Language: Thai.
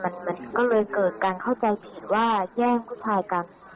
มันก็เลยเกิดการเข้าใจผิดว่าแย่งผู้ชายกัน